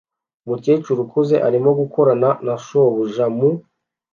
Umukecuru ukuze arimo gukorana na shobuja mu